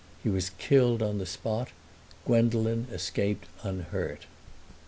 He was killed on the spot; Gwendolen escaped unhurt.